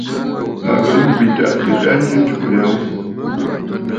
Mə ghɨ̀rə̀ m̀bwitə aa tɨta njɨ atsugə ya ghu.